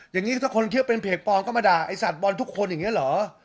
อย่างนี้ถ้าคนคิดว่าเป็นเพจปลอมก็มาด่าไอ้สัตว์บอลทุกคนอย่างนี้เหรอ